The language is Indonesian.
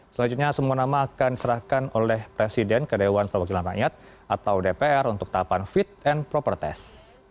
selanjutnya semua nama akan diserahkan oleh presiden ke dewan perwakilan rakyat atau dpr untuk tahapan fit and proper test